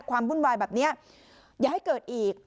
วุ่นวายแบบนี้อย่าให้เกิดอีก